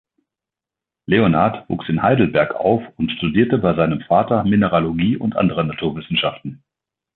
Leonhard wuchs in Heidelberg auf und studierte bei seinem Vater Mineralogie und andere Naturwissenschaften.